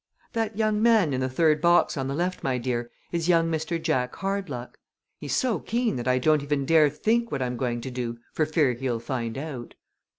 "That young man in the third box on the left, my dear, is young Mr. Jack Hardluck. He's so keen that I don't even dare think what I'm going to do for fear he'll find it out!"